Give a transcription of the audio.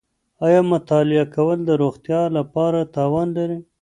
ایا مطالعه کول د روغتیا لپاره تاوان لري؟